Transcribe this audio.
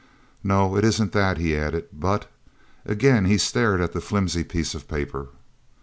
"No, it isn't that," he added, "but...." Again he stared at the flimsy piece of paper.